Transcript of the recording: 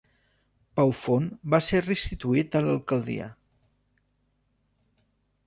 Pau Font va ser restituït a l'alcaldia.